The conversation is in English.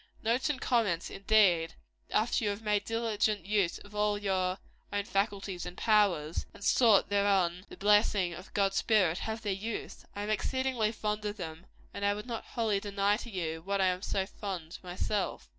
Notes and comments, indeed, after you have made diligent use of all your own faculties and powers, and sought thereon the blessing of God's Spirit, have their use. I am exceedingly fond of them: and I would not wholly deny to you what I am so fond of myself.